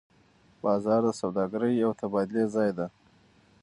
بازار د سوداګرۍ او تبادلې ځای دی.